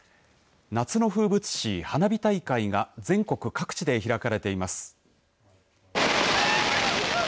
夏の風物詩、花火大会が全国各地で開かれています。